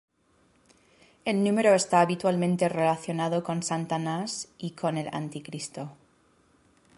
El número está habitualmente relacionado con Satanás y con el Anticristo.